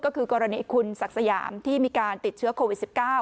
ก็คือกรณีคุณศักดิ์สยามที่มีการติดเชื้อโควิด๑๙